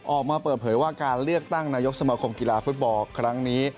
ออกมาเปิดเผยว่าการเลือกตั้งนายกสมคมกีฬาฟุตบอลครั้งนี้